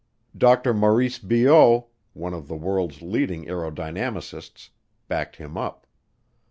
Dr. Maurice Biot, one of the world's leading aerodynamicists, backed him up.